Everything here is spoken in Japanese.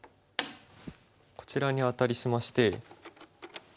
こちらにアタリしまして。